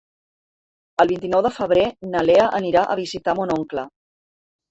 El vint-i-nou de febrer na Lea anirà a visitar mon oncle.